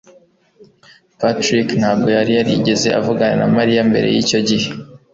Patrick ntabwo yari yarigeze avugana na Mariya mbere yicyo gihe.